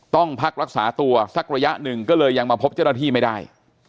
ต้องพักรักษาตัวสักระยะหนึ่งก็เลยยังมาพบเจ้าหน้าที่ไม่ได้